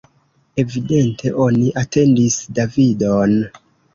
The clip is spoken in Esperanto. Evidente oni atendis Davidon.